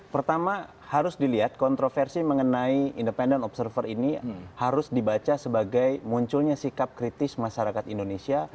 pertama harus dilihat kontroversi mengenai independent observer ini harus dibaca sebagai munculnya sikap kritis masyarakat indonesia